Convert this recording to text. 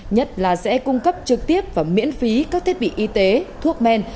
nhất là sẽ cung cấp trực tiếp và miễn phí các thiết bị y tế thuốc men